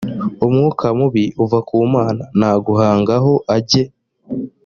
umwuka mubi uva ku mana naguhangaho ajye